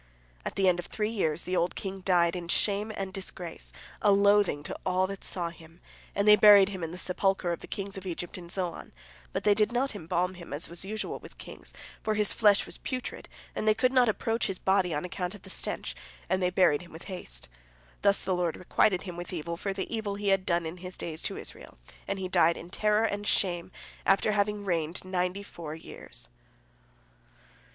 At the end of three years the old king died in shame and disgrace, a loathing to all that saw him, and they buried him in the sepulchre of the kings of Egypt in Zoan, but they did not embalm him, as was usual with kings, for his flesh was putrid, and they could not approach his body on account of the stench, and they buried him in haste. Thus the Lord requited him with evil for the evil he had done in his days to Israel, and he died in terror and shame after having reigned ninety four years.